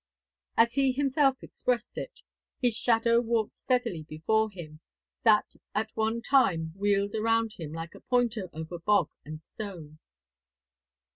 As he himself expressed it, 'His shadow walked steadily before him, that at one time wheeled around him like a pointer over bog and stone.'